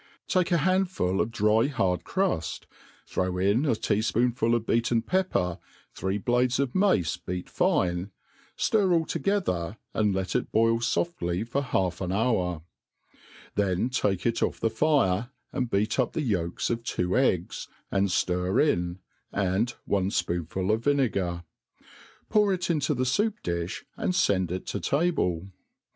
Take a handful of dry hard cruil, ihiow in a tea fpoonful of beaten pepper, three blades of mace beat fine, ftirall together, and let it boil foftly for half an hour 5 t len take it o^ the fire, and beat up the yolks of two eggs, and Air in, and one fpponful of vinegar ; pour it into the foup didi, ^nd fend it to table.